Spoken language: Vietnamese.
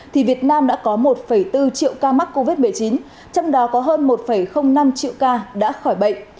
thì việt nam đã có một bốn triệu ca mắc covid một mươi chín trong đó có hơn một năm triệu ca đã khỏi bệnh